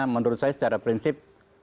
menurut saya secara prinsip